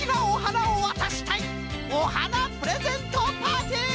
おはなプレゼントパーティー！